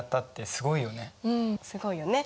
すごいよね。